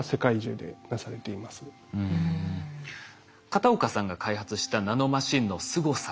片岡さんが開発したナノマシンのすごさ